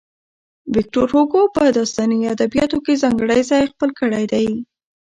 ويکټور هوګو په داستاني ادبياتو کې ځانګړی ځای خپل کړی دی.